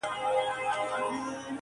هم په ښار کي هم په کلي کي منلی٫